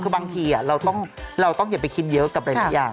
คือบางทีเราต้องอย่าไปคิดเยอะกับหลายอย่าง